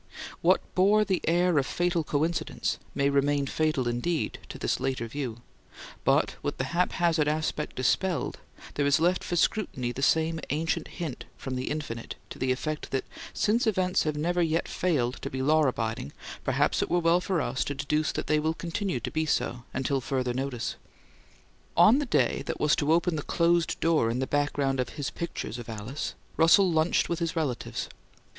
What bore the air of fatal coincidence may remain fatal indeed, to this later view; but, with the haphazard aspect dispelled, there is left for scrutiny the same ancient hint from the Infinite to the effect that since events have never yet failed to be law abiding, perhaps it were well for us to deduce that they will continue to be so until further notice. ... On the day that was to open the closed door in the background of his pictures of Alice, Russell lunched with his relatives.